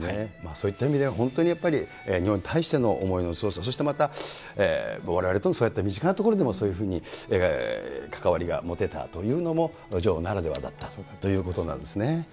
そういった意味では、本当にやっぱり日本に対しての思いの強さ、そしてまた、われわれともそうやって身近な所でも関わりが持てたというのも、女王ならではだったということなんですね。